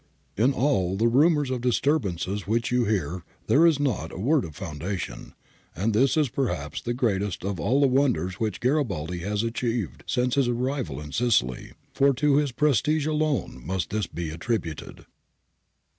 In all the rumours of disturbances which you hear there is not a word of foundation and this IS perhaps the greatest of all the wonders which (jaribaldi has achieved since his arrival in Sicily, for to his prestige alone must this be attributed.'